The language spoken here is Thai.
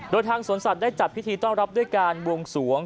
โดยทางสวนสัตว์ได้จัดพิธีต้อนรับด้วยการบวงสวง